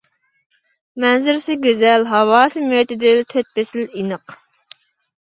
مەنزىرىسى گۈزەل، ھاۋاسى مۆتىدىل، تۆت پەسلى ئېنىق.